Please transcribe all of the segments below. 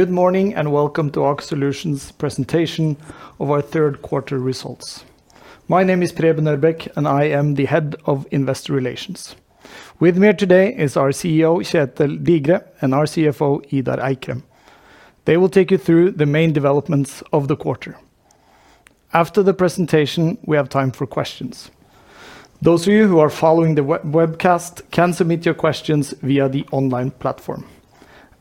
Good morning and Welcome to Aker Solutions' Presentation of our Q3 Results. My name is Preben Ørbeck, and I am the Head of Investor Relations. With me today is our CEO, Kjetel Digre, and our CFO, Idar Eikrem. They will take you through the main developments of the quarter. After the presentation, we have time for questions. Those of you who are following the webcast can submit your questions via the online platform.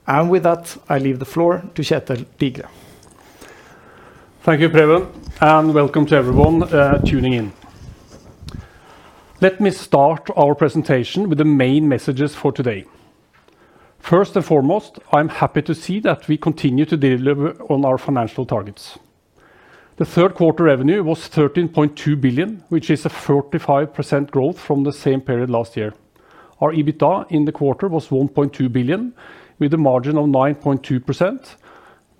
And with that, I leave the floor to Kjetel Digre. Thank you, Preben, and welcome to everyone tuning in. Let me start our presentation with the main messages for today. First and foremost, I'm happy to see that we continue to deliver on our financial targets. The Q3 revenue was 13.2 billion NOK, which is a 35% growth from the same period last year. Our EBITDA in the quarter was 1.2 billion NOK, with a margin of 9.2%.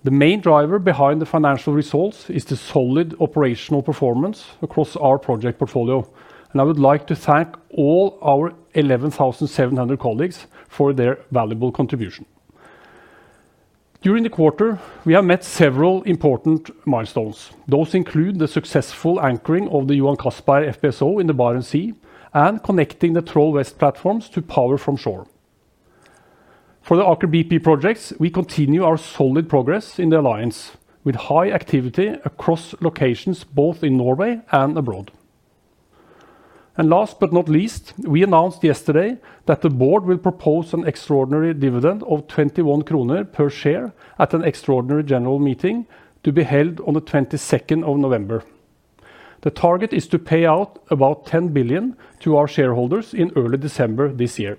The main driver behind the financial results is the solid operational performance across our project portfolio. I would like to thank all our 11,700 colleagues for their valuable contribution. During the quarter, we have met several important milestones. Those include the successful anchoring of the Johan Castberg FPSO in the Barents Sea, and connecting the Troll West platforms to power from shore. For the Aker BP projects, we continue our solid progress in the alliance with high activity across locations, both in Norway and abroad. And last but not least, we announced yesterday that the board will propose an extraordinary dividend of 21 kroner per share at an extraordinary general meeting to be held on the 22nd of November. The target is to pay out about 10 billion NOK to our shareholders in early December this year.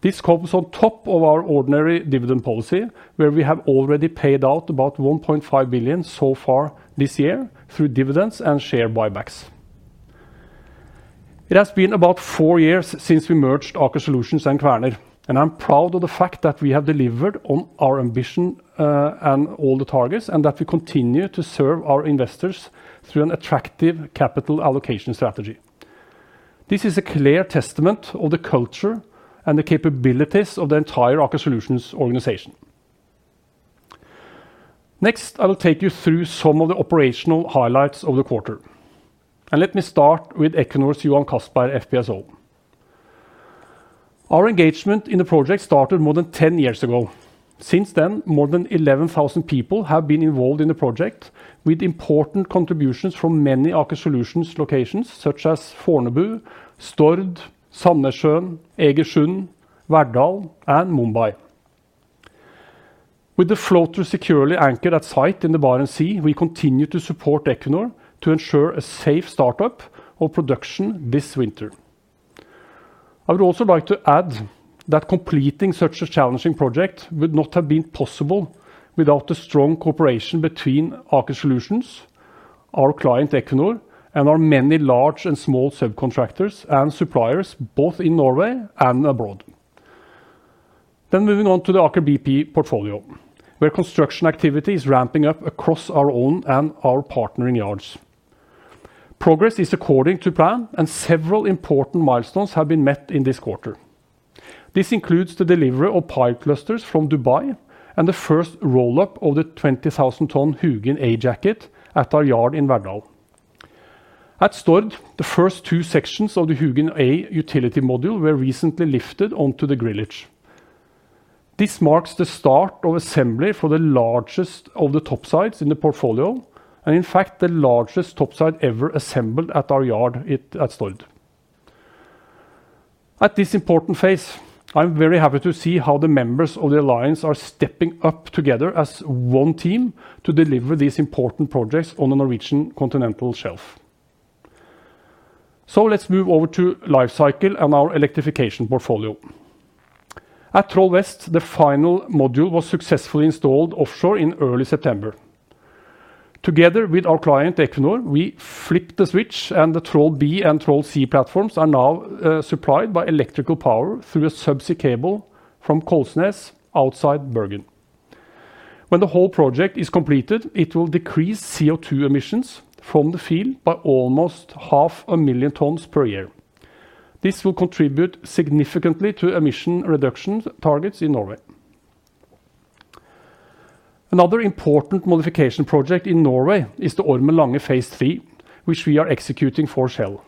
This comes on top of our ordinary dividend policy, where we have already paid out about 1.5 billion NOK so far this year through dividends and share buybacks. It has been about four years since we merged Aker Solutions and Kværner, and I'm proud of the fact that we have delivered on our ambition and all the targets, and that we continue to serve our investors through an attractive capital allocation strategy. This is a clear testament of the culture and the capabilities of the entire Aker Solutions organization. Next, I will take you through some of the operational highlights of the quarter. Let me start with Equinor's Johan Castberg FPSO. Our engagement in the project started more than 10 years ago. Since then, more than 11,000 people have been involved in the project, with important contributions from many Aker Solutions locations, such as Fornebu, Stord, Sandnessjøen, Eigersund, Verdal, and Mumbai. With the floaters securely anchored at site in the Barents Sea, we continue to support Equinor to ensure a safe startup of production this winter. I would also like to add that completing such a challenging project would not have been possible without the strong cooperation between Aker Solutions, our client Equinor, and our many large and small subcontractors and suppliers, both in Norway and abroad. Then moving on to the Aker BP portfolio, where construction activity is ramping up across our own and our partnering yards. Progress is according to plan, and several important milestones have been met in this quarter. This includes the delivery of pipe clusters from Dubai and the first roll-up of the 20,000-ton Hugin A jacket at our yard in Verdal. At Stord, the first two sections of the Hugin A utility module were recently lifted onto the grillage. This marks the start of assembly for the largest of the topsides in the portfolio, and in fact, the largest topside ever assembled at our yard at Stord. At this important phase, I'm very happy to see how the members of the alliance are stepping up together as one team to deliver these important projects on the Norwegian continental shelf. So let's move over to life cycle and our electrification portfolio. At Troll West, the final module was successfully installed offshore in early September. Together with our client Equinor, we flipped the switch, and the Troll B and Troll C platforms are now supplied by electrical power through a subsea cable from Kollsnes outside Bergen. When the whole project is completed, it will decrease CO2 emissions from the field by almost 500,000 tons per year. This will contribute significantly to emission reduction targets in Norway. Another important modification project in Norway is the Ormen Lange Phase 3, which we are executing for Shell.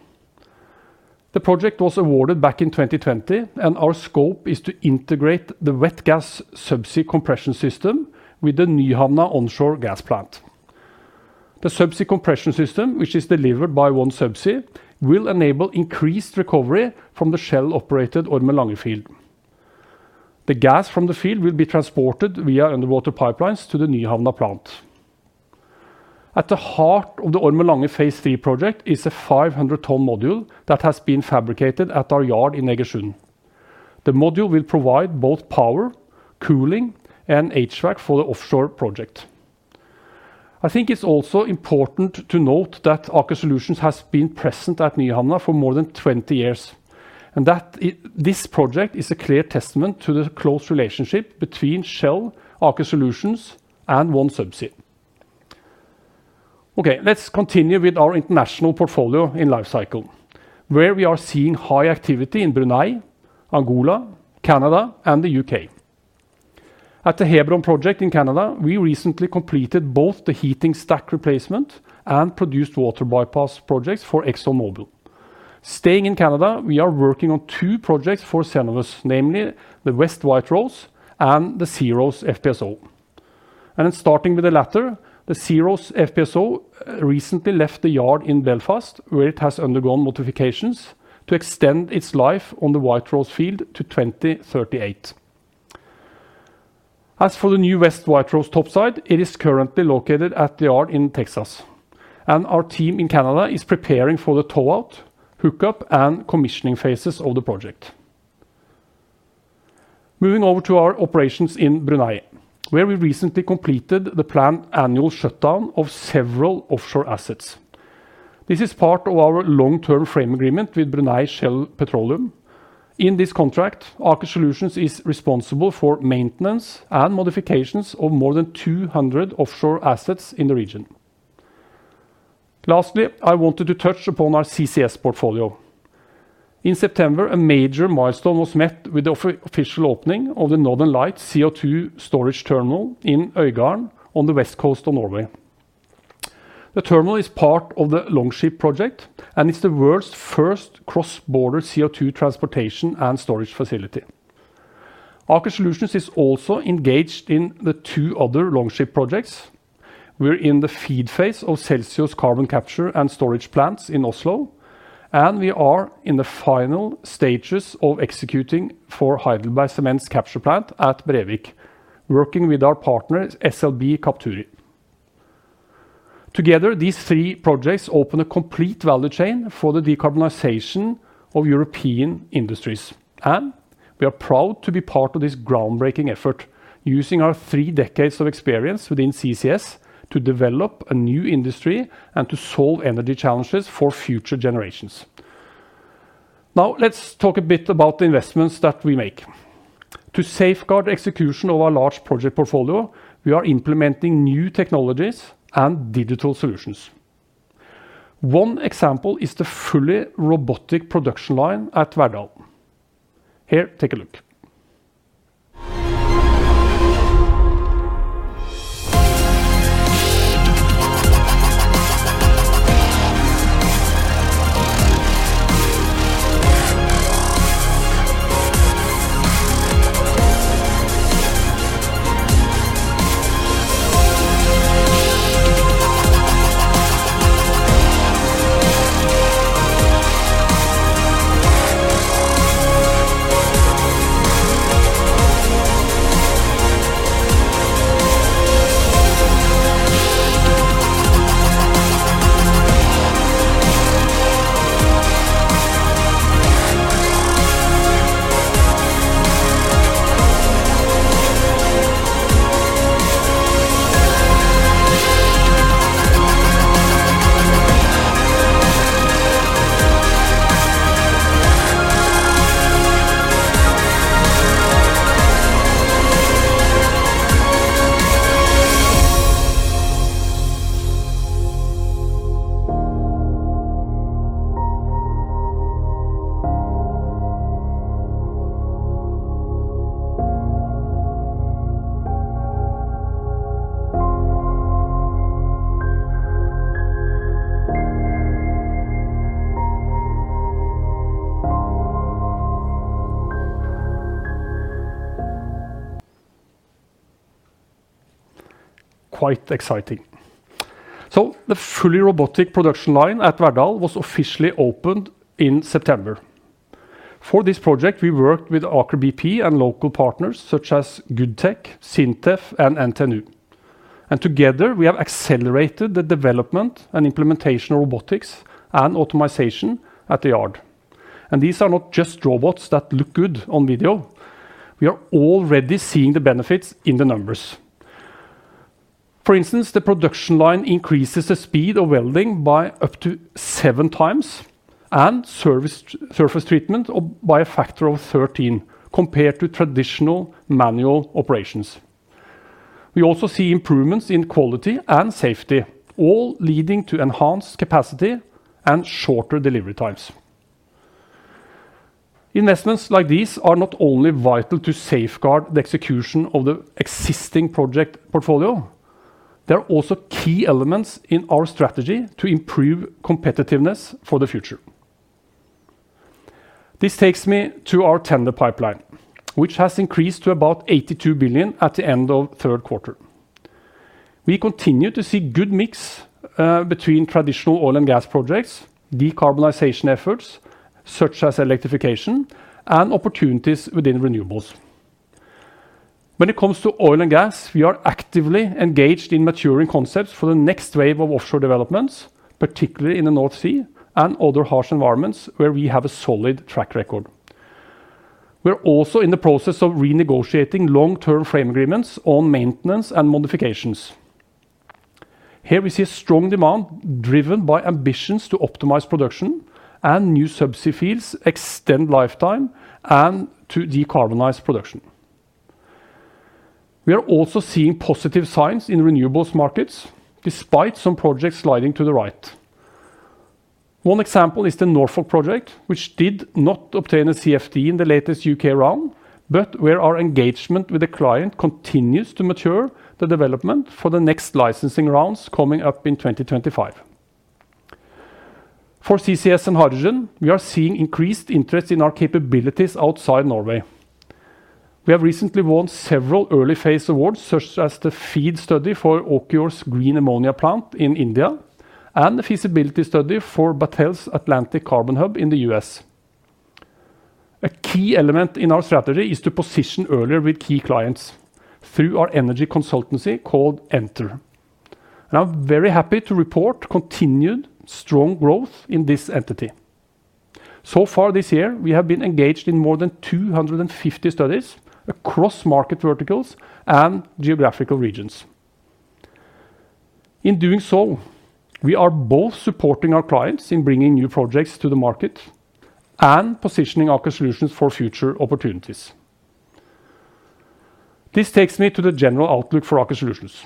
The project was awarded back in 2020, and our scope is to integrate the wet gas subsea compression system with the Nyhavna onshore gas plant. The subsea compression system, which is delivered by OneSubsea, will enable increased recovery from the Shell-operated Ormen Lange field. The gas from the field will be transported via underwater pipelines to the Nyhavna plant. At the heart of the Ormen Lange Phase 3 project is a 500-ton module that has been fabricated at our yard in Eigersund. The module will provide both power, cooling, and HVAC for the offshore project. I think it's also important to note that Aker Solutions has been present at Nyhavna for more than 20 years, and that this project is a clear testament to the close relationship between Shell, Aker Solutions, and OneSubsea. Okay, let's continue with our international portfolio in life cycle, where we are seeing high activity in Brunei, Angola, Canada, and the UK. At the Hebron project in Canada, we recently completed both the heating stack replacement and produced water bypass projects for ExxonMobil. Staying in Canada, we are working on two projects for Cenovus, namely the West White Rose and the SeaRose FPSO. And starting with the latter, the SeaRose FPSO recently left the yard in Belfast, where it has undergone modifications to extend its life on the White Rose field to 2038. As for the new West White Rose topside, it is currently located at the yard in Texas, and our team in Canada is preparing for the tow-out, hook-up, and commissioning phases of the project. Moving over to our operations in Brunei, where we recently completed the planned annual shutdown of several offshore assets. This is part of our long-term frame agreement with Brunei Shell Petroleum. In this contract, Aker Solutions is responsible for maintenance and modifications of more than 200 offshore assets in the region. Lastly, I wanted to touch upon our CCS portfolio. In September, a major milestone was met with the official opening of the Northern Lights CO2 storage terminal in Øygarden on the west coast of Norway. The terminal is part of the Longship project and is the world's first cross-border CO2 transportation and storage facility. Aker Solutions is also engaged in the two other Longship projects. We're in the FEED phase of Celsio carbon capture and storage plants in Oslo, and we are in the final stages of executing for Heidelberg Cement's capture plant at Brevik, working with our partner SLB Capturi. Together, these three projects open a complete value chain for the decarbonization of European industries, and we are proud to be part of this groundbreaking effort, using our three decades of experience within CCS to develop a new industry and to solve energy challenges for future generations. Now, let's talk a bit about the investments that we make. To safeguard execution of our large project portfolio, we are implementing new technologies and digital solutions. One example is the fully robotic production line at Verdal. Here, take a look. Quite exciting. So the fully robotic production line at Verdal was officially opened in September. For this project, we worked with Aker BP and local partners such as Goodtech, SINTEF, and NTNU. And together, we have accelerated the development and implementation of robotics and optimization at the yard. And these are not just robots that look good on video. We are already seeing the benefits in the numbers. For instance, the production line increases the speed of welding by up to seven times and surface treatment by a factor of 13 compared to traditional manual operations. We also see improvements in quality and safety, all leading to enhanced capacity and shorter delivery times. Investments like these are not only vital to safeguard the execution of the existing project portfolio, they are also key elements in our strategy to improve competitiveness for the future. This takes me to our tender pipeline, which has increased to about 82 billion at the end of Q3. We continue to see good mix between traditional oil and gas projects, decarbonization efforts such as electrification, and opportunities within renewables. When it comes to oil and gas, we are actively engaged in maturing concepts for the next wave of offshore developments, particularly in the North Sea and other harsh environments where we have a solid track record. We are also in the process of renegotiating long-term frame agreements on maintenance and modifications. Here we see a strong demand driven by ambitions to optimize production and new subsea fields, extend lifetime, and to decarbonize production. We are also seeing positive signs in renewables markets, despite some projects sliding to the right. One example is the Norfolk project, which did not obtain a CFD in the latest U.K. round, but where our engagement with the client continues to mature the development for the next licensing rounds coming up in 2025. For CCS and hydrogen, we are seeing increased interest in our capabilities outside Norway. We have recently won several early phase awards such as the FEED study for Avaada's green ammonia plant in India and the feasibility study for Battelle's Atlantic Carbon Hub in the U.S. A key element in our strategy is to position earlier with key clients through our energy consultancy called Entr, and I'm very happy to report continued strong growth in this entity, so far this year, we have been engaged in more than 250 studies across market verticals and geographical regions. In doing so, we are both supporting our clients in bringing new projects to the market and positioning Aker Solutions for future opportunities. This takes me to the general outlook for Aker Solutions.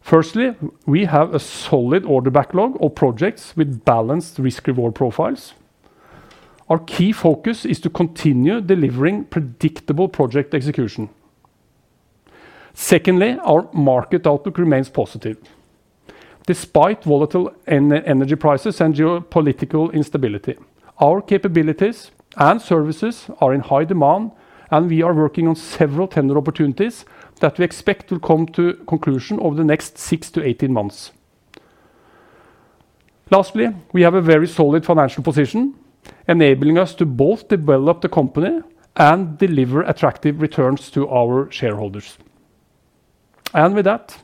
Firstly, we have a solid order backlog of projects with balanced risk-reward profiles. Our key focus is to continue delivering predictable project execution. Secondly, our market outlook remains positive. Despite volatile energy prices and geopolitical instability, our capabilities and services are in high demand, and we are working on several tender opportunities that we expect to come to conclusion over the next six to 18 months. Lastly, we have a very solid financial position, enabling us to both develop the company and deliver attractive returns to our shareholders. And with that,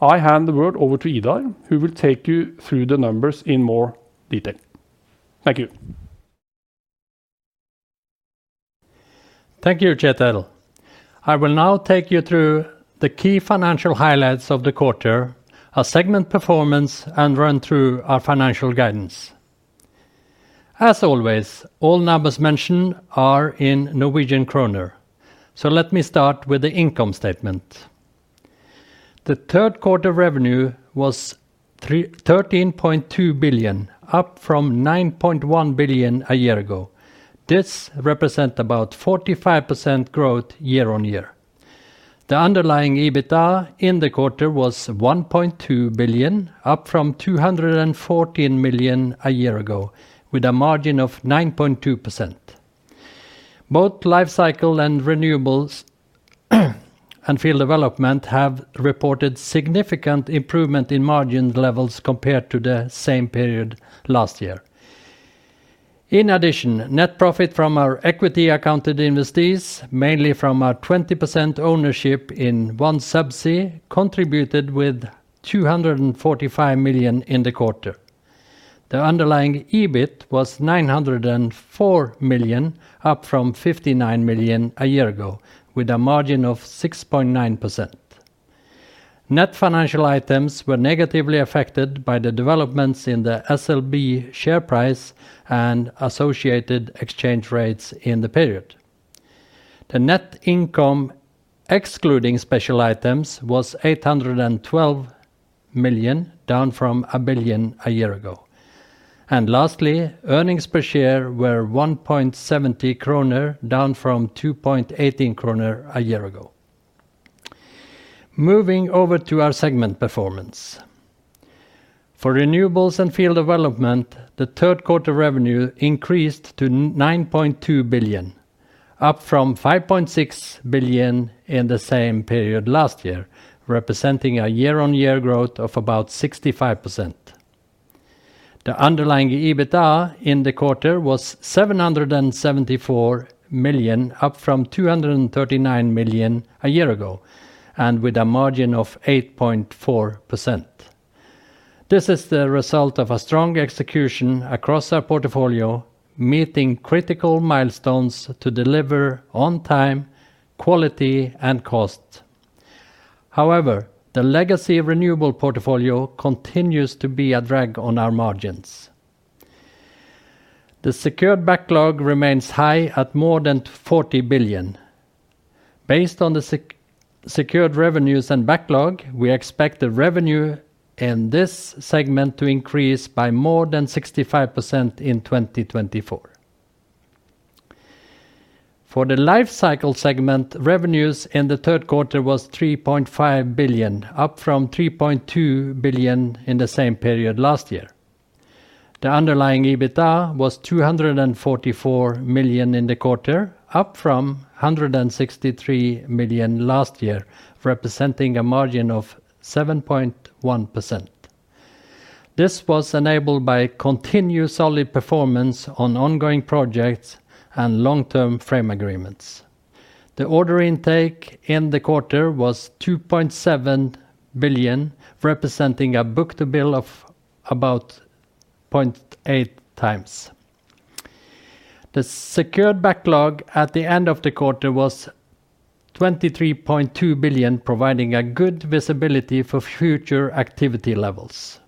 I hand the word over to Idar, who will take you through the numbers in more detail. Thank you. Thank you, Kjetel. I will now take you through the key financial highlights of the quarter, our segment performance, and run through our financial guidance. As always, all numbers mentioned are in Norwegian kroner, so let me start with the income statement. The Q3 revenue was 13.2 billion, up from 9.1 billion a year ago. This represents about 45% growth year on year. The underlying EBITDA in the quarter was 1.2 billion, up from 214 million a year ago, with a margin of 9.2%. Both life cycle and renewables and field development have reported significant improvement in margin levels compared to the same period last year. In addition, net profit from our equity-accounted investees, mainly from our 20% ownership in OneSubsea, contributed with 245 million in the quarter. The underlying EBIT was 904 million, up from 59 million a year ago, with a margin of 6.9%. Net financial items were negatively affected by the developments in the SLB share price and associated exchange rates in the period. The net income excluding special items was 812 million, down from 1 billion a year ago. And lastly, earnings per share were 1.70 kroner, down from 2.18 kroner a year ago. Moving over to our segment performance. For renewables and field development, the Q3 revenue increased to 9.2 billion, up from 5.6 billion in the same period last year, representing a year-on-year growth of about 65%. The underlying EBITDA in the quarter was 774 million, up from 239 million a year ago, and with a margin of 8.4%. This is the result of a strong execution across our portfolio, meeting critical milestones to deliver on time, quality, and cost. However, the legacy of renewable portfolio continues to be a drag on our margins. The secured backlog remains high at more than 40 billion. Based on the secured revenues and backlog, we expect the revenue in this segment to increase by more than 65% in 2024. For the life cycle segment, revenues in the Q3 were 3.5 billion, up from 3.2 billion in the same period last year. The underlying EBITDA was 244 million in the quarter, up from 163 million last year, representing a margin of 7.1%. This was enabled by continued solid performance on ongoing projects and long-term frame agreements. The order intake in the quarter was 2.7 billion, representing a book-to-bill of about 0.8 times. The secured backlog at the end of the quarter was 23.2 billion, providing good visibility for future activity levels.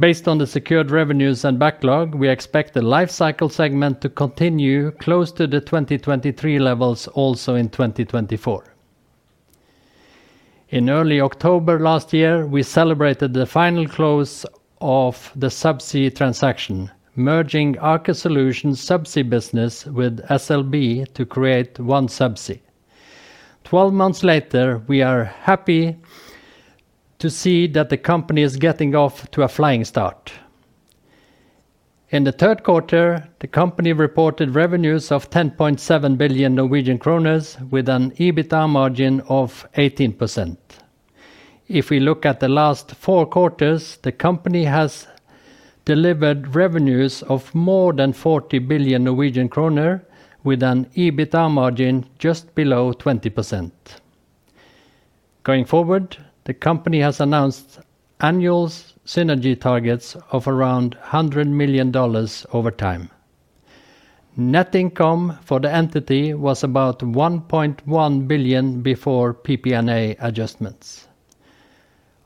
Based on the secured revenues and backlog, we expect the life cycle segment to continue close to the 2023 levels also in 2024. In early October last year, we celebrated the final close of the subsea transaction, merging Aker Solutions' subsea business with SLB to create OneSubsea. Twelve months later, we are happy to see that the company is getting off to a flying start. In the Q3, the company reported revenues of 10.7 billion Norwegian kroner, with an EBITDA margin of 18%. If we look at the last four quarters, the company has delivered revenues of more than 40 billion Norwegian kroner, with an EBITDA margin just below 20%. Going forward, the company has announced annual synergy targets of around $100 million over time. Net income for the entity was about $1.1 billion before PPA adjustments.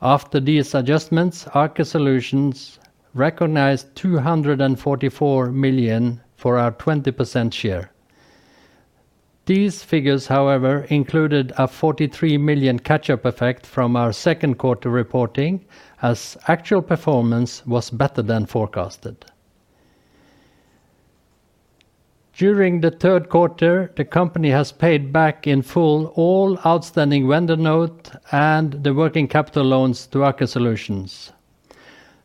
After these adjustments, Aker Solutions recognized $244 million for our 20% share. These figures, however, included a $43 million catch-up effect from our Q2 reporting, as actual performance was better than forecasted. During the Q3, the company has paid back in full all outstanding vendor note and the working capital loans to Aker Solutions.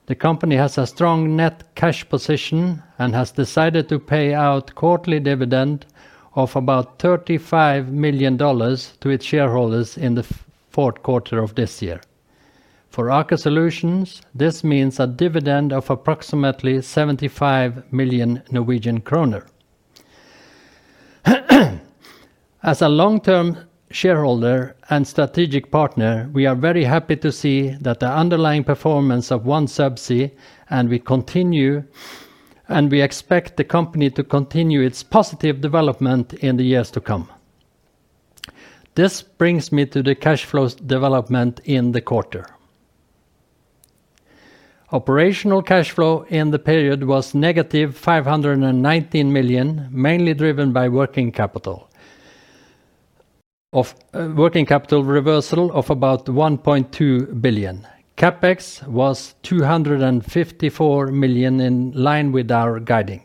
The company has a strong net cash position and has decided to pay out quarterly dividend of about $35 million to its shareholders in the Q4 of this year. For Aker Solutions, this means a dividend of approximately 75 million NOK. As a long-term shareholder and strategic partner, we are very happy to see that the underlying performance of OneSubsea continues, and we expect the company to continue its positive development in the years to come. This brings me to the cash flow development in the quarter. Operational cash flow in the period was negative 519 million NOK, mainly driven by working capital reversal of about 1.2 billion. CapEx was 254 million NOK, in line with our guiding.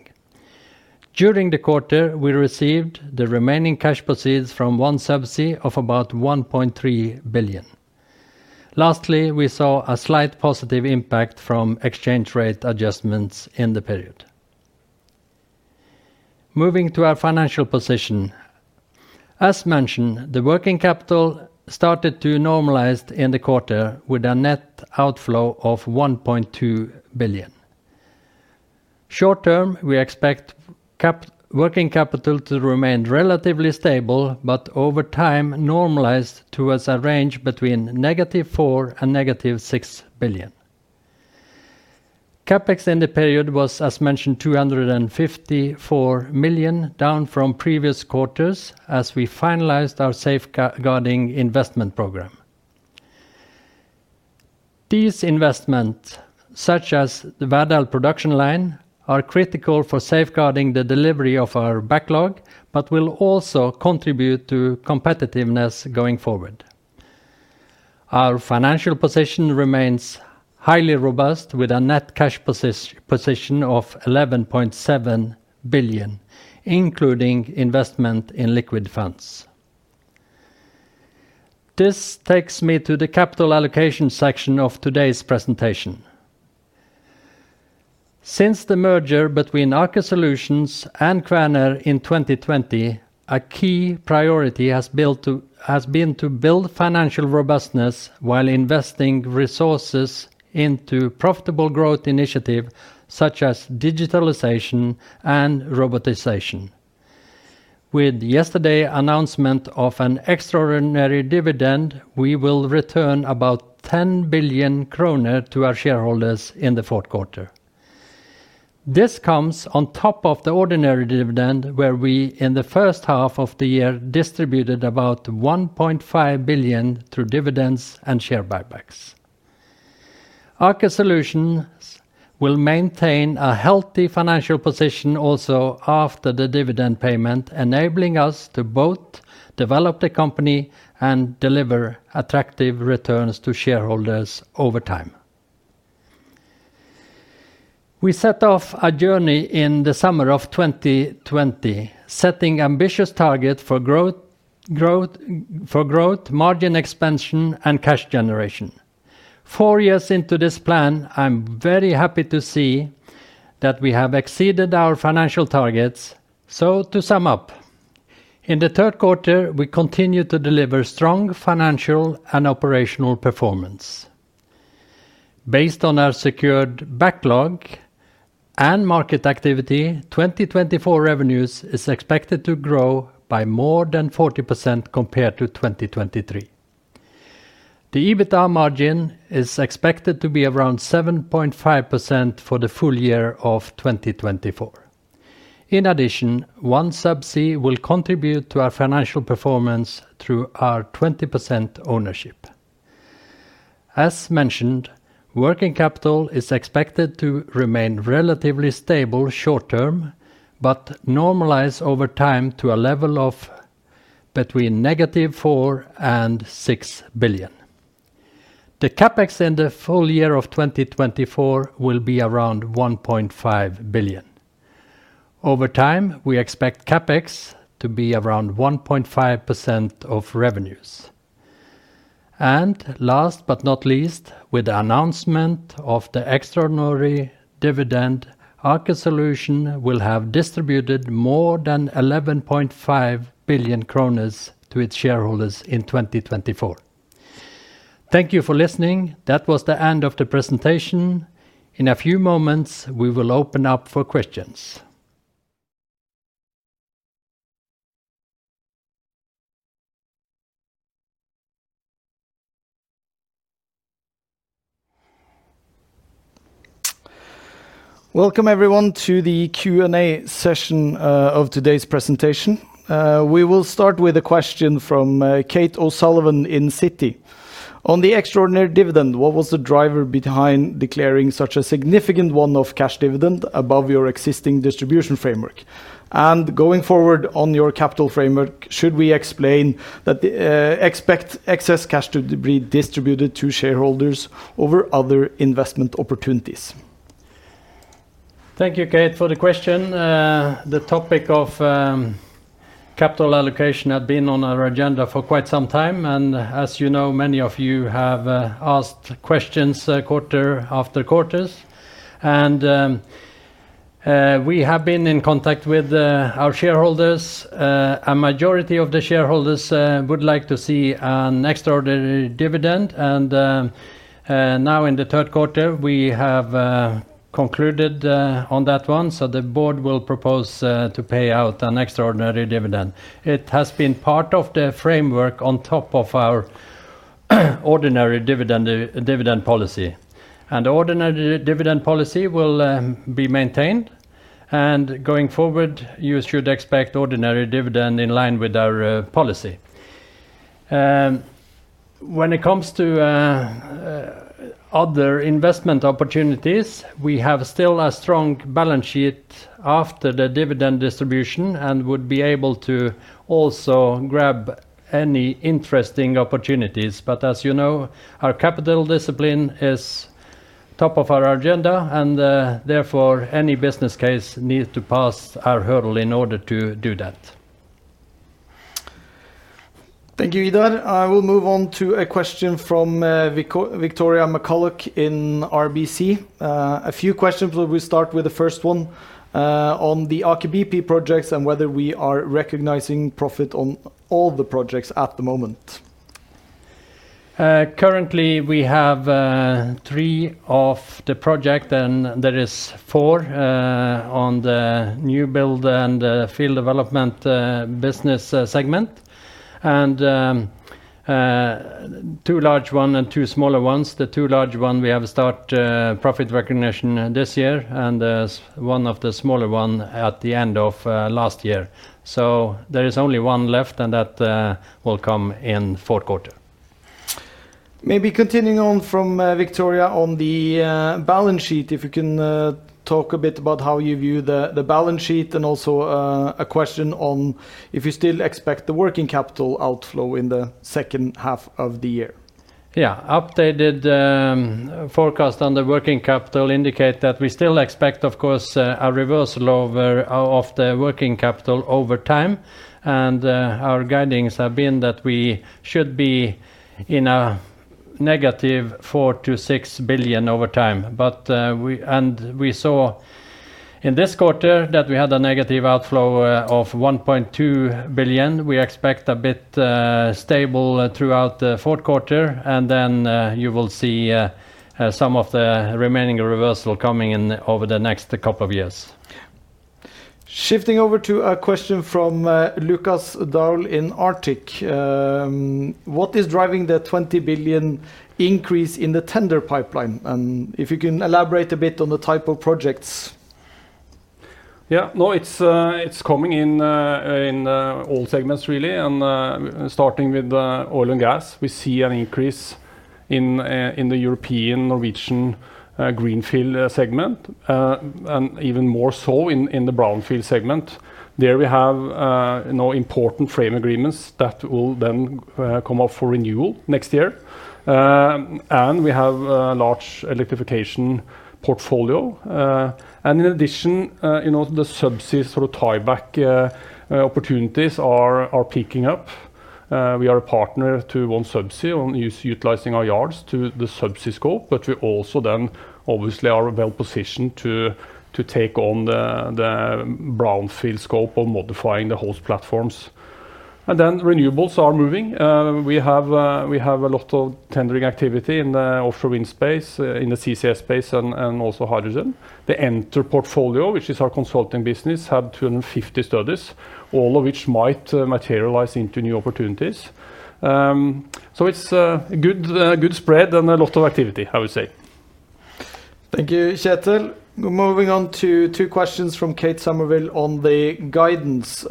During the quarter, we received the remaining cash proceeds from OneSubsea of about 1.3 billion. Lastly, we saw a slight positive impact from exchange rate adjustments in the period. Moving to our financial position. As mentioned, the working capital started to normalize in the quarter with a net outflow of 1.2 billion. Short term, we expect working capital to remain relatively stable, but over time normalize towards a range between negative 4 billion and negative 6 billion. CapEx in the period was, as mentioned, 254 million, down from previous quarters as we finalized our safeguarding investment program. These investments, such as the Verdal production line, are critical for safeguarding the delivery of our backlog, but will also contribute to competitiveness going forward. Our financial position remains highly robust with a net cash position of 11.7 billion, including investment in liquid funds. This takes me to the capital allocation section of today's presentation. Since the merger between Aker Solutions and Kværner in 2020, a key priority has been to build financial robustness while investing resources into profitable growth initiatives such as digitalization and robotization. With yesterday's announcement of an extraordinary dividend, we will return about 10 billion kroner to our shareholders in the Q4. This comes on top of the ordinary dividend, where we in the first half of the year distributed about 1.5 billion through dividends and share buybacks. Aker Solutions will maintain a healthy financial position also after the dividend payment, enabling us to both develop the company and deliver attractive returns to shareholders over time. We set off our journey in the summer of 2020, setting ambitious targets for growth, margin expansion, and cash generation. Four years into this plan, I'm very happy to see that we have exceeded our financial targets. So, to sum up, in the Q3, we continue to deliver strong financial and operational performance. Based on our secured backlog and market activity, 2024 revenues are expected to grow by more than 40% compared to 2023. The EBITDA margin is expected to be around 7.5% for the full year of 2024. In addition, OneSubsea will contribute to our financial performance through our 20% ownership. As mentioned, working capital is expected to remain relatively stable short term, but normalize over time to a level of between -4 billion and 6 billion. The CapEx in the full year of 2024 will be around 1.5 billion. Over time, we expect CapEx to be around 1.5% of revenues. Last but not least, with the announcement of the extraordinary dividend, Aker Solutions will have distributed more than 11.5 billion kroner to its shareholders in 2024. Thank you for listening. That was the end of the presentation. In a few moments, we will open up for questions. Welcome everyone to the Q&A session of today's presentation. We will start with a question from Kate O'Sullivan in Citi. On the extraordinary dividend, what was the driver behind declaring such a significant one-off cash dividend above your existing distribution framework? And going forward on your capital framework, should we expect excess cash to be distributed to shareholders over other investment opportunities? Thank you, Kjetel, for the question. The topic of capital allocation had been on our agenda for quite some time, and as you know, many of you have asked questions quarter after quarter. We have been in contact with our shareholders. A majority of the shareholders would like to see an extraordinary dividend, and now in the Q3, we have concluded on that one. The board will propose to pay out an extraordinary dividend. It has been part of the framework on top of our ordinary dividend policy. The ordinary dividend policy will be maintained, and going forward, you should expect ordinary dividend in line with our policy. When it comes to other investment opportunities, we have still a strong balance sheet after the dividend distribution and would be able to also grab any interesting opportunities. As you know, our capital discipline is top of our agenda, and therefore any business case needs to pass our hurdle in order to do that. Thank you, Idar. I will move on to a question from Victoria McCulloch in RBC. A few questions, but we'll start with the first one on the Aker BP projects and whether we are recognizing profit on all the projects at the moment. Currently, we have three of the projects, and there are four on the new build and the field development business segment, and two large ones and two smaller ones. The two large ones, we have started profit recognition this year, and one of the smaller ones at the end of last year. So, there is only one left, and that will come in the Q4. Maybe continuing on from Victoria on the balance sheet, if you can talk a bit about how you view the balance sheet and also a question on if you still expect the working capital outflow in the second half of the year. Yeah, updated forecast on the working capital indicates that we still expect, of course, a reversal of the working capital over time. Our guidance has been that we should be in a negative 4-6 billion over time. But we saw in this quarter that we had a negative outflow of 1.2 billion. We expect a bit stable throughout the Q4, and then you will see some of the remaining reversal coming in over the next couple of years. Shifting over to a question from Lukas Daul in Arctic Securities. What is driving the 20 billion increase in the tender pipeline? And if you can elaborate a bit on the type of projects. Yeah, no, it's coming in all segments, really. And starting with oil and gas, we see an increase in the European, Norwegian greenfield segment, and even more so in the brownfield segment. There we have important frame agreements that will then come up for renewal next year. And we have a large electrification portfolio. And in addition, the subsea sort of tieback opportunities are picking up. We are a partner to OneSubsea on utilizing our yards to the subsea scope, but we also then obviously are well positioned to take on the brownfield scope of modifying the host platforms. And then renewables are moving. We have a lot of tendering activity in the offshore wind space, in the CCS space, and also hydrogen. The Entr portfolio, which is our consulting business, had 250 studies, all of which might materialize into new opportunities. So, it's a good spread and a lot of activity, I would say. Thank you, Kjetel. We're moving on to two questions from Kate O'Sullivan on the guidance.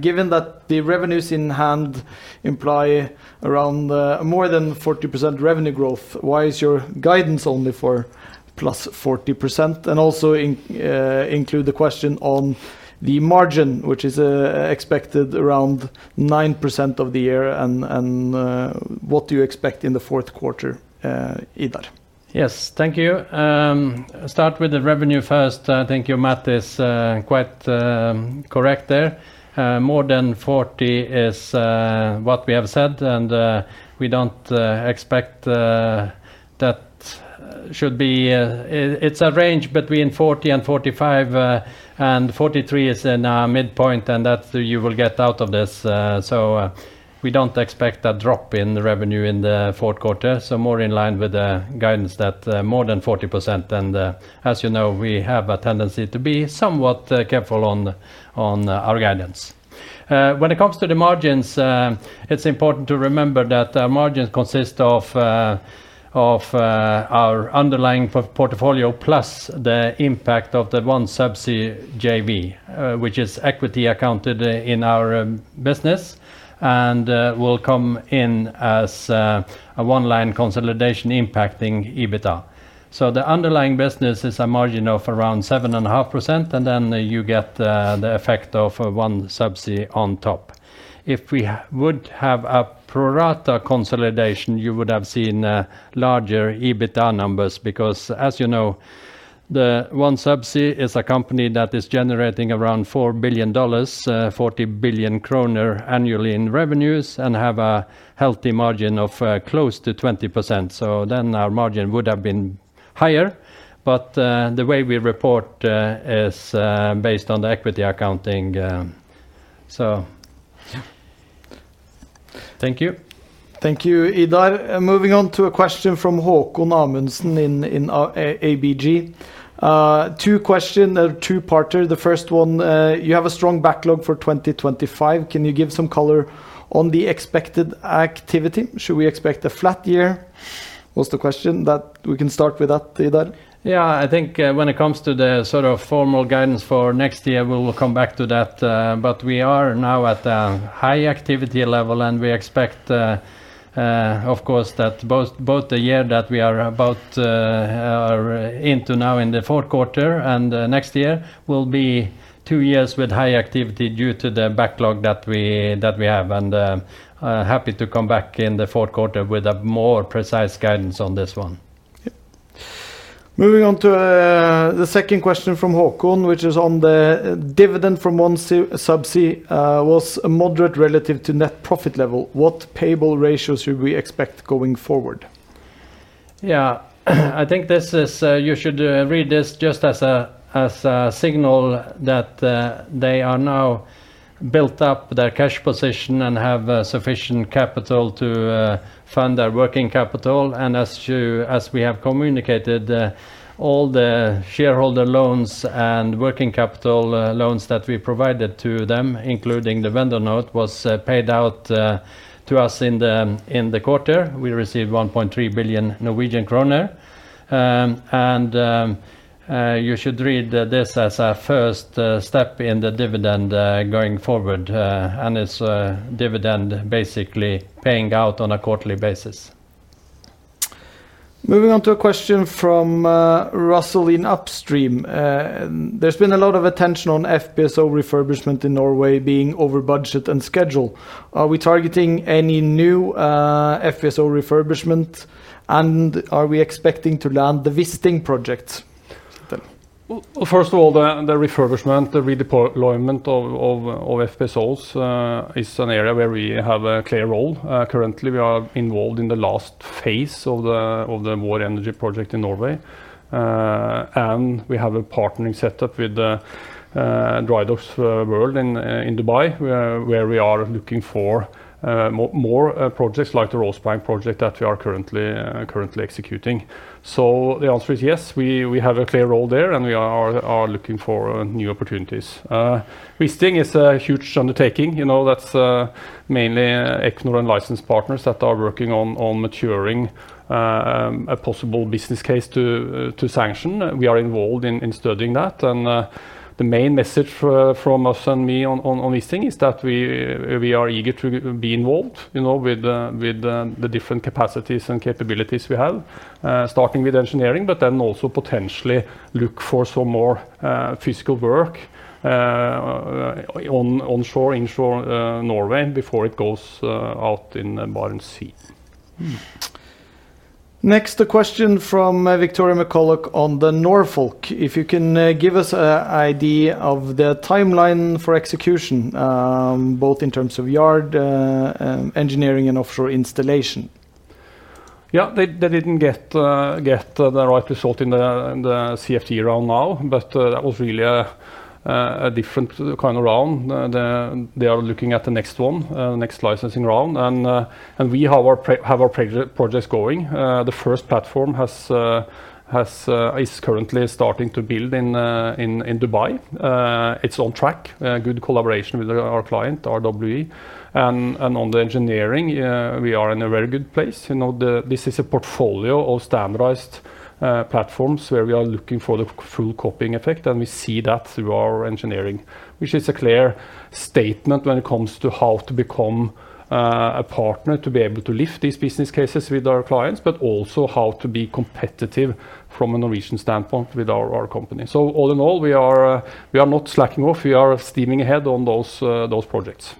Given that the revenues in hand imply around more than 40% revenue growth, why is your guidance only for plus 40%? Also include the question on the margin, which is expected around 9% of the year. What do you expect in the Q4, Idar? Yes, thank you. I'll start with the revenue first. I think your math is quite correct there. More than 40% is what we have said, and we don't expect that should be it's a range between 40% and 45%, and 43% is in our midpoint, and that's you will get out of this. So, we don't expect a drop in revenue in the Q4. So, more in line with the guidance that more than 40%. And as you know, we have a tendency to be somewhat careful on our guidance. When it comes to the margins, it's important to remember that our margins consist of our underlying portfolio plus the impact of the OneSubsea JV, which is equity accounted in our business, and will come in as a one-line consolidation impacting EBITDA. So, the underlying business is a margin of around 7.5%, and then you get the effect of OneSubsea on top. If we would have a pro-rata consolidation, you would have seen larger EBITDA numbers because, as you know, the OneSubsea is a company that is generating around $4 billion, 40 billion kroner annually in revenues, and have a healthy margin of close to 20%. So, then our margin would have been higher, but the way we report is based on the equity accounting. So, thank you. Thank you, Idar. Moving on to a question from Håkon Amundsen in ABG. Two questions, two-parter. The first one, you have a strong backlog for 2025. Can you give some color on the expected activity? Should we expect a flat year? What's the question? We can start with that, Idar. Yeah, when it comes to the sort of formal guidance for next year, we'll come back to that. But we are now at a high activity level, and we expect, of course, that both the year that we are about into now in the Q4 and next year will be two years with high activity due to the backlog that we have. And happy to come back in the Q4 with a more precise guidance on this one. Moving on to the second question from Håkon, which is on the dividend from OneSubsea, was moderate relative to net profit level. What payable ratios should we expect going forward? Yeah, you should read this just as a signal that they are now built up their cash position and have sufficient capital to fund their working capital. And as we have communicated, all the shareholder loans and working capital loans that we provided to them, including the vendor note, was paid out to us in the quarter. We received 1.3 billion Norwegian kroner. And you should read this as a first step in the dividend going forward, and it's a dividend basically paying out on a quarterly basis. Moving on to a question from Russell in Upstream. There's been a lot of attention on FPSO refurbishment in Norway being over budget and schedule. Are we targeting any new FPSO refurbishment, and are we expecting to land the Wisting projects? First of all, the refurbishment, the redeployment of FPSOs is an area where we have a clear role. Currently, we are involved in the last phase of the Vår Energi project in Norway, and we have a partnering setup with Drydocks World in Dubai, where we are looking for more projects like the Rosebank project that we are currently executing. The answer is yes, we have a clear role there, and we are looking for new opportunities. Wisting is a huge undertaking. That's mainly Equinor and license partners that are working on maturing a possible business case to sanction. We are involved in studying that. The main message from us and me on Wisting is that we are eager to be involved with the different capacities and capabilities we have, starting with engineering, but then also potentially look for some more physical work onshore in Norway before it goes out in the Barents Sea. Next, a question from Victoria McCulloch on the Norfolk. If you can give us an idea of the timeline for execution, both in terms of yard, engineering, and offshore installation. Yeah, they didn't get the right result in the CFD round now, but that was really a different kind of round. They are looking at the next one, the next licensing round. We have our projects going. The first platform is currently starting to build in Dubai. It's on track, good collaboration with our client, RWE. On the engineering, we are in a very good place. This is a portfolio of standardized platforms where we are looking for the full copying effect, and we see that through our engineering, which is a clear statement when it comes to how to become a partner to be able to lift these business cases with our clients, but also how to be competitive from a Norwegian standpoint with our company. So, all in all, we are not slacking off. We are steaming ahead on those projects.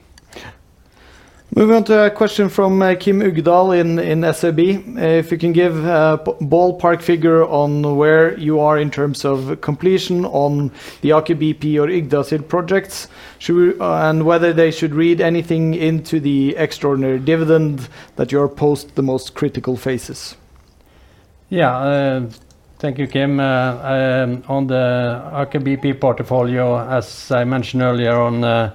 Moving on to a question from Kim Uggedal in SEB. If you can give a ballpark figure on where you are in terms of completion on the Aker BP or Yggdrasil projects, and whether they should read anything into the extraordinary dividend that you are past the most critical phases. Yeah, thank you, Kim. On the Aker BP portfolio, as I mentioned earlier, on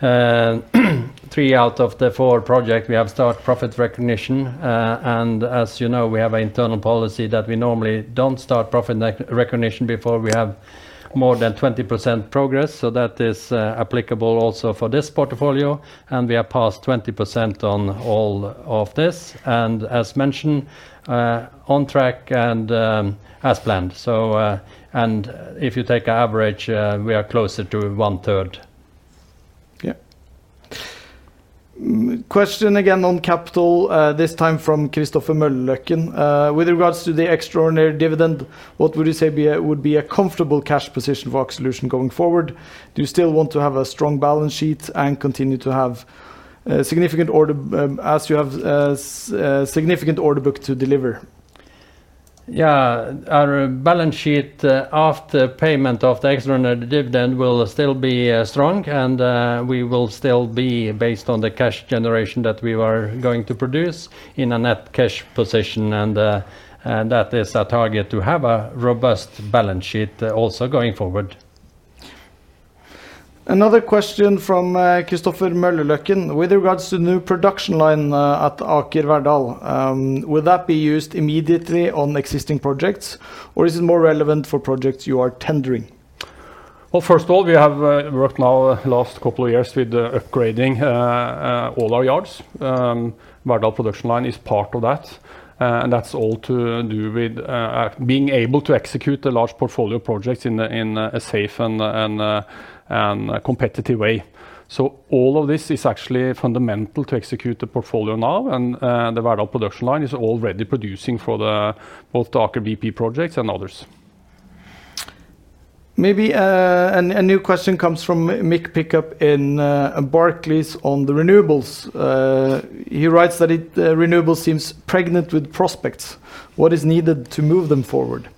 three out of the four projects, we have start profit recognition. And as you know, we have an internal policy that we normally don't start profit recognition before we have more than 20% progress. That is applicable also for this portfolio. We have passed 20% on all of this. As mentioned, on track and as planned. If you take an average, we are closer to one-third. Yeah. Question again on capital, this time from Christopher Møllerløkken. With regards to the extraordinary dividend, what would you say would be a comfortable cash position for Aker Solutions going forward? Do you still want to have a strong balance sheet and continue to have significant order as you have significant order book to deliver? Yeah, our balance sheet after payment of the extraordinary dividend will still be strong, and we will still be based on the cash generation that we are going to produce in a net cash position, and that is our target, to have a robust balance sheet also going forward. Another question from Christopher Møllerløkken. With regards to new production line at Aker Verdal, would that be used immediately on existing projects, or is it more relevant for projects you are tendering? Well, first of all, we have worked now the last couple of years with upgrading all our yards. Verdal production line is part of that, and that's all to do with being able to execute the large portfolio projects in a safe and competitive way. All of this is actually fundamental to execute the portfolio now, and the Verdal production line is already producing for both the Aker BP projects and others. Maybe a new question comes from Mick Pickup in Barclays on the renewables. He writes that renewables seem pregnant with prospects. What is needed to move them forward?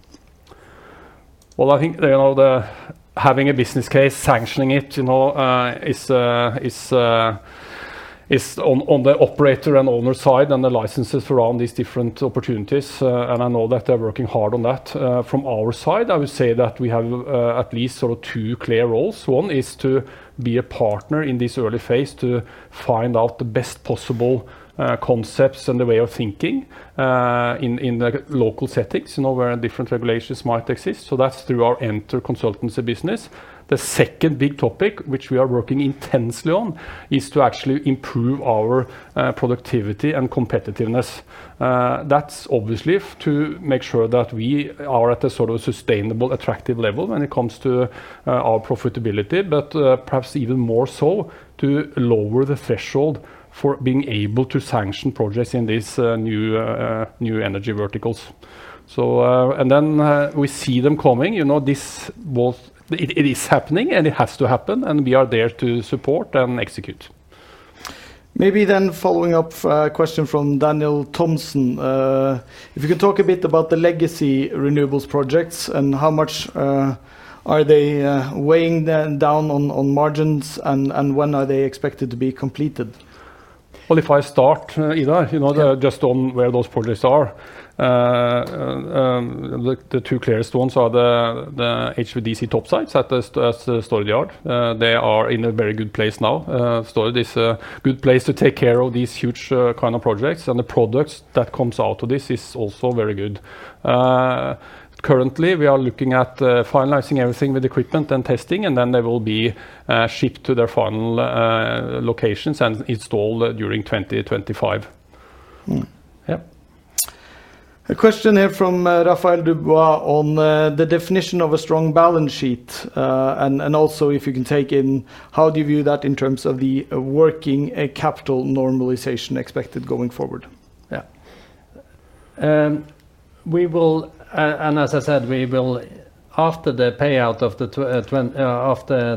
I think having a business case, sanctioning it is on the operator and owner side and the licenses around these different opportunities. And I know that they're working hard on that. From our side, I would say that we have at least sort of two clear roles. One is to be a partner in this early phase to find out the best possible concepts and the way of thinking in the local settings where different regulations might exist. That's through our Entr consultancy business. The second big topic, which we are working intensely on, is to actually improve our productivity and competitiveness. That's obviously to make sure that we are at a sort of sustainable, attractive level when it comes to our profitability, but perhaps even more so to lower the threshold for being able to sanction projects in these new energy verticals. So, and then we see them coming, this both it is happening and it has to happen, and we are there to support and execute. Maybe then following up a question from Daniel Thomson. If you can talk a bit about the legacy renewables projects and how much are they weighing down on margins and when are they expected to be completed? If I start, Idar, just on where those projects are, the two clearest ones, the HVDC topsides at the storage yard, they are in a very good place now. Still, it is a good place to take care of these huge kind of projects, and the products that come out of this is also very good. Currently, we are looking at finalizing everything with equipment and testing, and then they will be shipped to their final locations and installed during 2025. Yeah. A question here from Raphaël DuBois on the definition of a strong balance sheet, and also, if you can take in, how do you view that in terms of the working capital normalization expected going forward? Yeah. We will, and as I said, we will, after the payout of the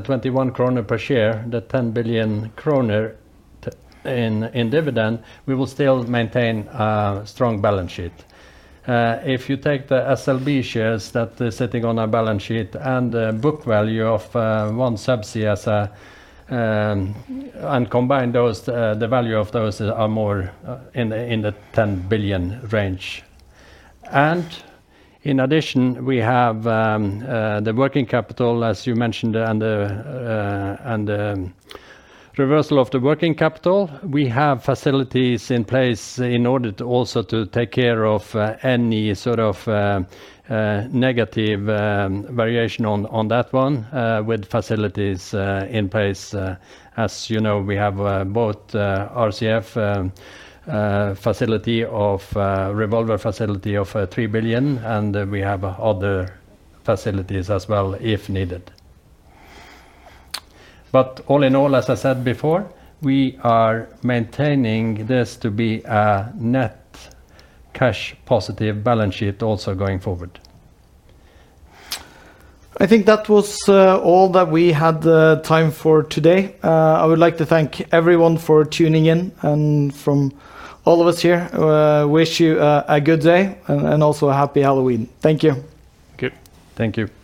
21 kroner per share, the 10 billion kroner in dividend, we will still maintain a strong balance sheet. If you take the SLB shares that are sitting on our balance sheet and the book value of OneSubsea and combine those, the value of those are more in the 10 billion range. In addition, we have the working capital, as you mentioned, and the reversal of the working capital. We have facilities in place in order to also take care of any sort of negative variation on that one with facilities in place. As you know, we have both RCF facility or revolver facility of 3 billion, and we have other facilities as well if needed. But all in all, we are maintaining this to be a net cash positive balance sheet also going forward. I think that was all that we had time for today. I would like to thank everyone for tuning in, and from all of us here, wish you a good day and also a happy Halloween. Thank you. Thank you.